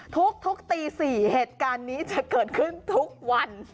ทุกตี๔เหตุการณ์นี้จะเกิดขึ้นทุกวัน